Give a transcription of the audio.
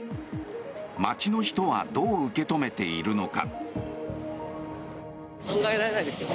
街の人はどう受け止めているのか。